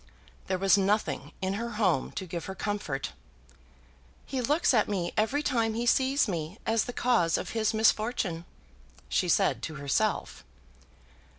There was nothing in her home to give her comfort. "He looks at me every time he sees me as the cause of his misfortune," she said to herself.